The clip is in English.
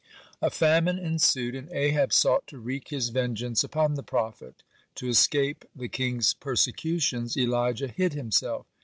(5) A famine ensued, and Ahab sought to wreak his vengeance upon the prophet. To escape the king's persecutions, Elijah hid himself.